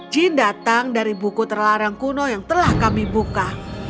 jin datang dari buku terlarang kuno yang telah kami buka